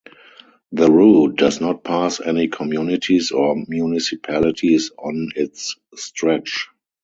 The route does not pass any communities or municipalities on its stretch.